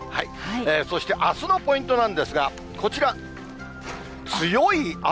そして、あすのポイントなんですが、こちら、強い雨。